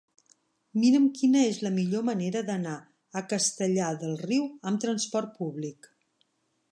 Mira'm quina és la millor manera d'anar a Castellar del Riu amb trasport públic.